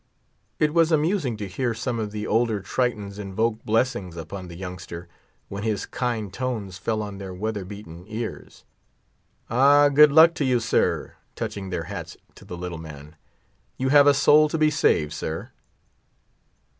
It was amusing to hear some of the older Tritons invoke blessings upon the youngster, when his kind tones fell on their weather beaten ears. "Ah, good luck to you, sir!" touching their hats to the little man; "you have a soul to be saved, sir!"